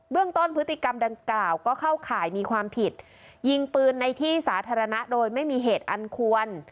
เรื่องต้นพฤติกรรมดังกล่าวก็เข้าข่ายมีความผิดยิงปืนในที่สาธารณะโดยไม่มีเหตุอันควร